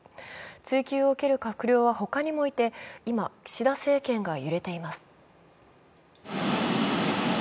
追及を受ける閣僚は他にもいて今、岸田政権が揺れています。